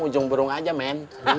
ujung berung aja men